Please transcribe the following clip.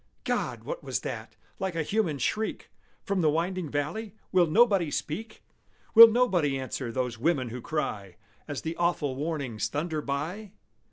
God! what was that, like a human shriek From the winding valley? Will nobody speak? Will nobody answer those women who cry As the awful warnings thunder by?